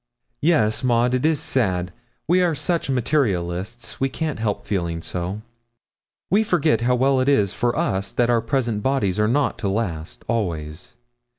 Yes, Maud, it is sad. We are such materialists, we can't help feeling so. We forget how well it is for us that our present bodies are not to last always.